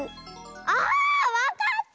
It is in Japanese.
あわかった！